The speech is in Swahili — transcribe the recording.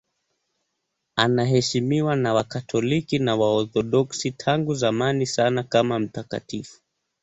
Anaheshimiwa na Wakatoliki na Waorthodoksi tangu zamani sana kama mtakatifu.